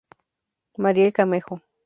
Mariel Camejo.